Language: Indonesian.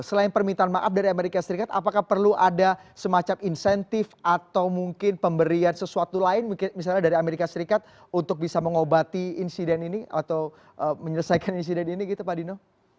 selain permintaan maaf dari amerika serikat apakah perlu ada semacam insentif atau mungkin pemberian sesuatu lain misalnya dari amerika serikat untuk bisa mengobati insiden ini atau menyelesaikan insiden ini gitu pak dino